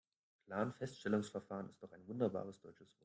Planfeststellungsverfahren ist doch ein wunderbares deutsches Wort.